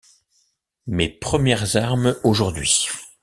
Mes premières armes aujourd’hui!